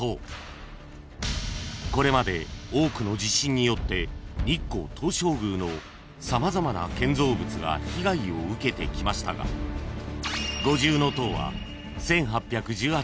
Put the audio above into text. ［これまで多くの地震によって日光東照宮の様々な建造物が被害を受けてきましたが五重塔は］